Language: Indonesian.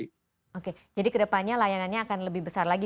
oke jadi kedepannya layanannya akan lebih besar lagi